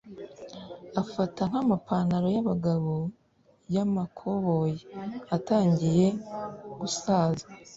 afata nk'amapantalo y'abagabo y'amakoboyi atangiye gusaza